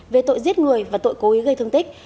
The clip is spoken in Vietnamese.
về tội giết người và tội cố ý gây thương tích